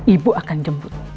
ibu akan jemput